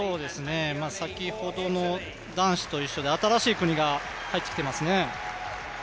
先ほどの男子と一緒で新しい国が入ってきてますね。